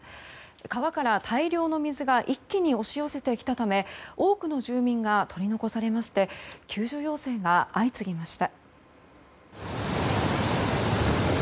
川から大量の水が一気に押し寄せてきたため多くの住民が取り残されまして救助要請が相次ぎました。